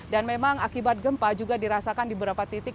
dan memang akibat gempa juga dirasakan di beberapa titik